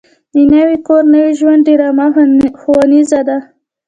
د نوي کور نوي ژوند ډرامه ښوونیزه ده.